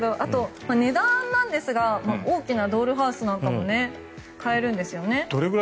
値段なんですが大きなドールハウスなんかも買えるんですよね。